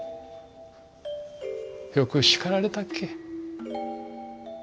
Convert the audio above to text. よく叱られたっけ。